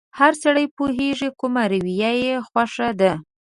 هر سړی پوهېږي کومه رويه يې خوښه ده.